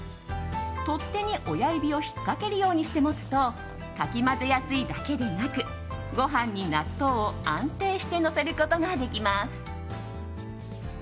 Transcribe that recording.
取っ手に親指を引っかけるようにして持つとかき混ぜやすいだけでなくご飯に納豆を安定してのせることができます。